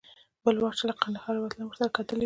بل وار چې له کندهاره وتلم ورسره کتلي و.